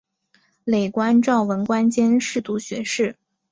累官昭文馆兼侍读学士。